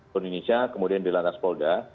di indonesia kemudian di lantas polda